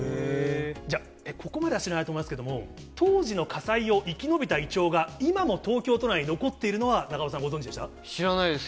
じゃあ、ここまでは知らないと思いますけれども、当時の火災を生き延びたイチョウが、今も東京都内に残っているの知らないです。